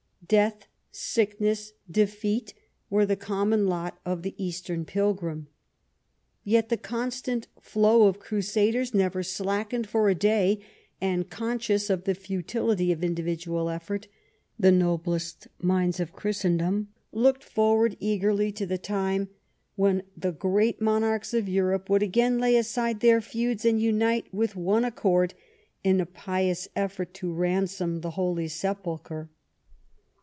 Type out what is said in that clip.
Death, sickness, defeat were the common lot of the Eastern pilgrim. Yet the constant flow of crusaders never slackened for a day ; and conscious of the futility of individual effort, the noblest minds of Christendom looked forward eagerly to the time when the great monarchs of Europe would again lay aside their feuds and unite with one accord in a pious effort to ransom the Holy Sepulchre.